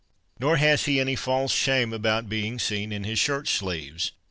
Nor has he any false shame about being seen in his shirt sleeves.